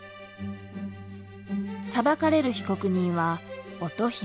裁かれる被告人は乙姫。